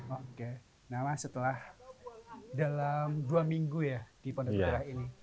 oke nah mas setelah dalam dua minggu ya di pondok merah ini